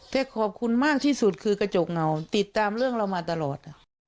แต่ขอบคุณมากที่สุดคือกระจกเงาติดตามเรื่องเรามาตลอด